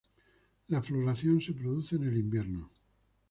La floración se produce en el invierno.